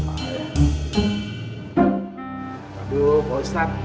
aduh pak ustadz